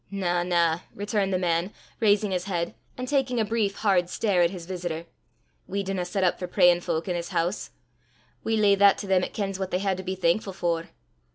"Na, na!" returned the man, raising his head, and taking a brief, hard stare at his visitor; "we dinna set up for prayin' fowk i' this hoose. We ley that to them 'at kens what they hae to be thankfu' for."